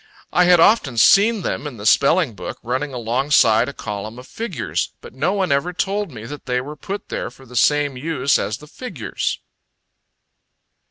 I had often seen them in the spelling book running alongside a column of figures; but no one ever told me that they were put there for the same use as the figures.